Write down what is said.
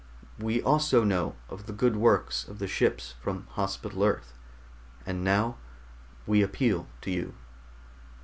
"We also know of the good works of the ships from Hospital Earth, and now we appeal to you."